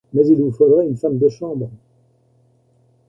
Mais il vous faudrait une femme de chambre.